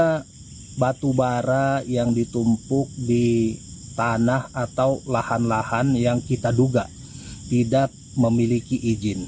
ada batu bara yang ditumpuk di tanah atau lahan lahan yang kita duga tidak memiliki izin